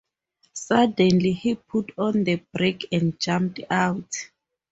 Suddenly he put on the brake and jumped out.